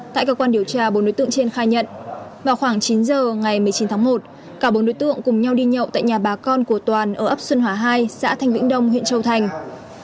tại cơ quan điều tra bốn đối tượng trên khai nhận vào khoảng chín giờ ngày một mươi chín tháng một cả bốn đối tượng cùng nhau đi nhậu tại nhà bà con của toàn ở ấp xuân hòa hai xã thanh vĩnh đông huyện châu thành